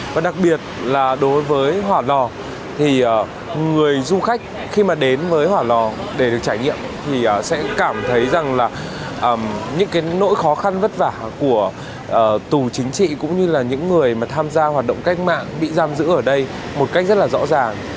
và đặc biệt là đối với hỏa lò thì người du khách khi mà đến với hỏa lò để được trải nghiệm thì sẽ cảm thấy rằng là những cái nỗi khó khăn vất vả của tù chính trị cũng như là những người mà tham gia hoạt động cách mạng bị giam giữ ở đây một cách rất là rõ ràng